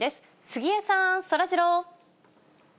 杉江さん、そらジロー。